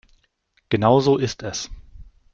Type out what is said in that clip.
Genau so ist es.